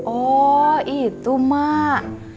oh itu mak